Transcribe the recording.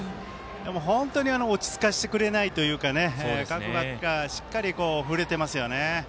本当に落ち着かせてくれないというか各バッター、しっかり振れてます。